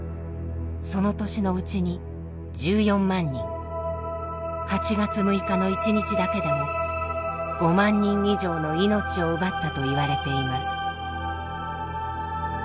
その年のうちに１４万人８月６日の一日だけでも５万人以上の命を奪ったといわれています。